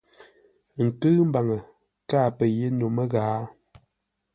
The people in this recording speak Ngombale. Ə nkʉ̂ʉ mbaŋə, káa pə́ yé no məghaa.